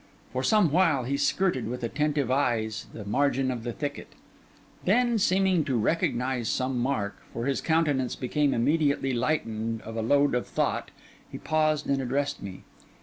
For some while he skirted, with attentive eyes, the margin of the thicket. Then, seeming to recognise some mark, for his countenance became immediately lightened of a load of thought, he paused and addressed me.